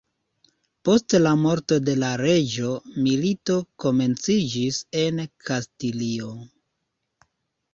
Post la morto de la reĝo, milito komenciĝis en Kastilio.